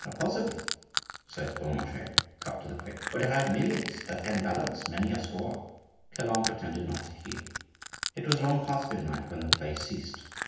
"Possibly," said Beaumarchais, cut to the quick; "but I have millions that can balance many a score." Calonne pretended not to hear. It was long past midnight when the play ceased.